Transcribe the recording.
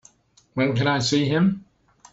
When can I see him?